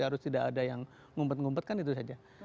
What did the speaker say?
harus tidak ada yang ngumpet ngumpetkan itu saja